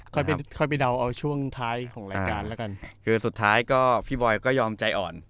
ค่อยไปค่อยไปเดาเอาช่วงท้ายของรายการแล้วกันคือสุดท้ายก็พี่บอยก็ยอมใจอ่อน